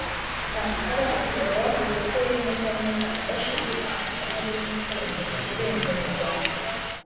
sankara akaba yavuze ko yemeza neza adashidikanya ko ariwe musobanuzi urenze mu rwanda